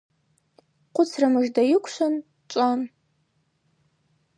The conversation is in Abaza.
Хъвыцра мыжда йыквшван дчӏван.